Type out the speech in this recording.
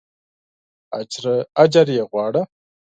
اجر یې غواړه.